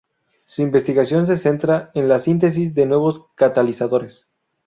Su investigación se centra en la síntesis de nuevos catalizadores.